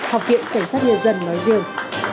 học viện cảnh sát nhân dân nói riêng